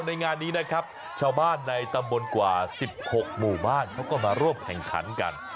ในงานนี้นะครับชาวบ้านในตำบลกว่า๑๖หมู่บ้านเขาก็มาร่วมแข่งขันกัน